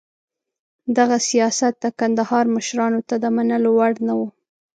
دغه سیاست د کندهار مشرانو ته د منلو وړ نه و.